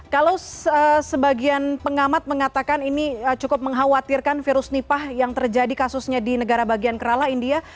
kalau sebagian pengamat mengatakan ini cukup mengkhawatirkan virus nipah yang terjadi kasusnya di negara bagian kerala india